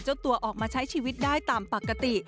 เจ้าตัวออกมาใช้ชีวิตได้ตามปกติ